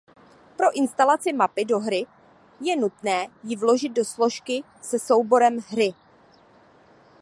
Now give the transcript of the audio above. Pro instalaci mapy do hry je nutné ji vložit do složky se souborem hry.